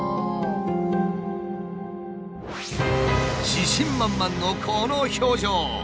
自信満々のこの表情。